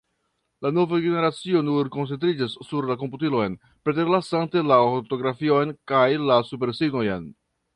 La nova generacio nur koncentriĝas sur la komputilon, preterlasante la ortografion kaj la supersignojn.